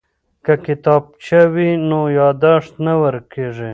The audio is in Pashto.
که کتابچه وي نو یادښت نه ورکیږي.